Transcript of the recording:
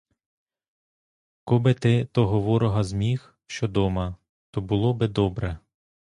Коби ти того ворога зміг, що дома, то було би добре.